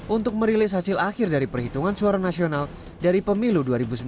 untuk merilis hasil akhir dari perhitungan suara nasional dari pemilu dua ribu sembilan belas